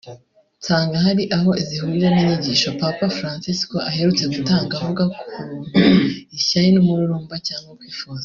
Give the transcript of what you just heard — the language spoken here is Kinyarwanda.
nsanga hari aho zihurira n’inyigisho Papa Fransisiko aherutse gutanga avuga ukuntu ishyari n’umururumba cyangwa kwifuza